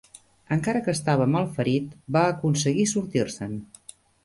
Encara que estava malferit, va aconseguir sortir-se'n.